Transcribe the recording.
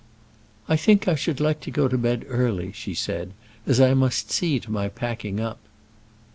"I think I should like to go to bed early," she said, "as I must see to my packing up."